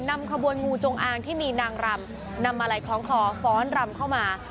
นำขบวนงูจงอางที่มีนางรำนำมาลัยคล้องคลอฟ้อนรำเข้ามา